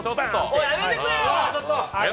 おい、やめてくれよ！